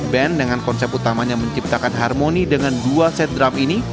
band dengan konsep utamanya menciptakan harmoni dengan dua set drum ini